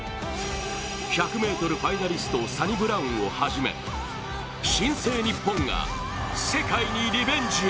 １００ｍファイナリスト、サニブラウンをはじめ新生日本が世界にリベンジへ。